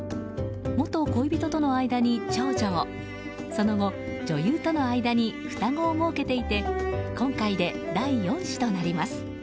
元恋人との間に長女をその後、女優との間に双子をもうけていて今回で第４子となります。